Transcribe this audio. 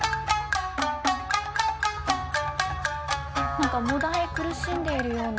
何かもだえ苦しんでいるような。